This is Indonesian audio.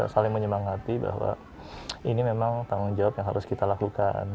saling menyemangati bahwa ini memang tanggung jawab yang harus kita lakukan